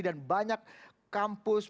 dan banyak kampus